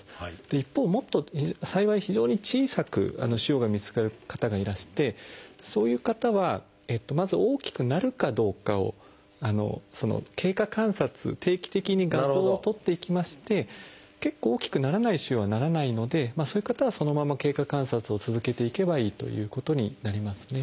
一方もっと幸い非常に小さく腫瘍が見つかる方がいらしてそういう方はまず大きくなるかどうかをあの経過観察定期的に画像を撮っていきまして結構大きくならない腫瘍はならないのでそういう方はそのまま経過観察を続けていけばいいということになりますね。